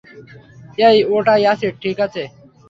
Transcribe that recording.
এই, ওটা অ্যাসিড, -ঠিক আছে।